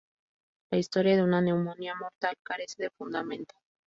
La historia de una neumonía mortal carece de fundamento.